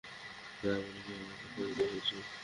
তার মানে কি আমরা প্রতারিত হয়েছি?